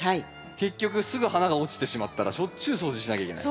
結局すぐ花が落ちてしまったらしょっちゅう掃除しなきゃいけない。